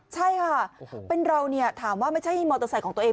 ใช่ค่ะเป็นเราเนี่ยถามว่าไม่ใช่มอเตอร์ไซค์ของตัวเอง